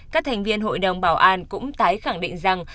các thành viên hội đồng bảo an cũng tái khẳng định rằng